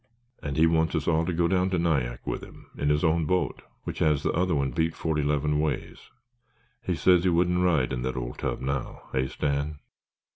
"And he wants us all to go down to Nyack with him in his own boat which has the other one beat forty 'leven ways. He says he wouldn't ride in that old tub now, hey, Stan?